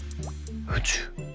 宇宙？